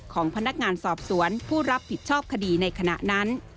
ของพนักงานสอบสวนผู้รับผิดชอบคดีในขณะนั้น